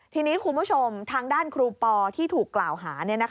ทีนี้คุณผู้ชมทางด้านครูปอที่ถูกกล่าวหา